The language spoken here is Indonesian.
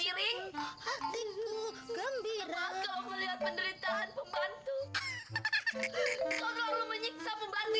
hatimu gembira melihat penderitaan pembantu hahaha menyiksa pembantu